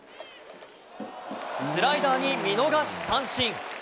スライダーに見逃し三振。